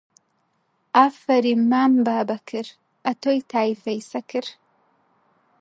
ئافەریم مام بابەکر، ئەتۆی تایفەی سەکر